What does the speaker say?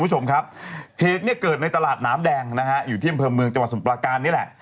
เหตุเกิดในตลาดน้ำแดงอยู่ที่อำเภิมเมืองจังหวัดสมปลาการนี่แหละ